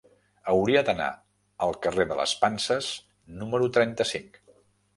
Hauria d'anar al carrer de les Panses número trenta-cinc.